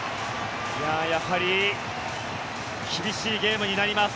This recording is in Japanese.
やはり厳しいゲームになります。